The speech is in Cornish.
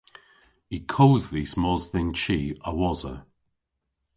Y kodh dhis mos dhe'n chi a-wosa.